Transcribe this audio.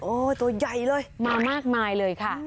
ตัวใหญ่เลยมามากมายเลยค่ะ